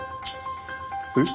えっ？